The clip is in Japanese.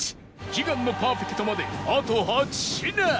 悲願のパーフェクトまであと８品